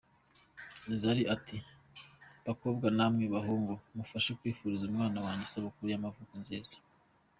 Zari ati “Bakobwa namwe bahungu mumfashe kwifuriza umwana wanjye isabukuru y’amavuko nziza.